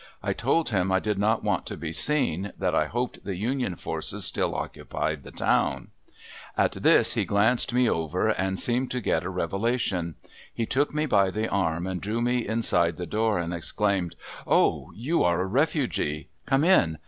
I told him I did not want to be seen; that I hoped the Union forces still occupied the town. At this he glanced me over and seemed to get a revelation. He took me by the arm and drew me inside the door and exclaimed: "Oh! you are a refugee. Come in.